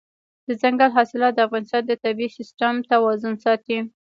دځنګل حاصلات د افغانستان د طبعي سیسټم توازن ساتي.